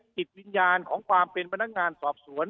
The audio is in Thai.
จิตวิญญาณของความเป็นพนักงานสอบสวน